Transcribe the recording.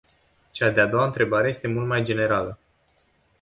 Cea de-a doua întrebare este mult mai generală.